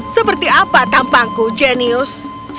seperti apa tampangku jenius